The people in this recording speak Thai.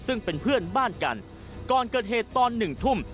ซึ่งเป็นเพื่อนบ้านกันก่อนเกิดเหตุตอนหนึ่งทุ่ม